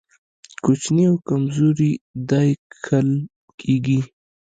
کوچني او کمزوري دا يې کښل کېږي.